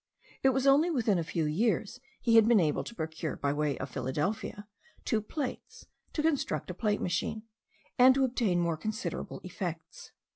It was only within a few years he had been able to procure, by way of Philadelphia, two plates, to construct a plate machine, and to obtain more considerable effects.